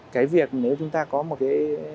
cái việc nếu chúng ta có một cái